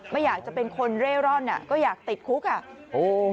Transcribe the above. ไม่อยากจะเป็นคนเร่ร่อนอ่ะก็อยากติดคุกอ่ะโอ้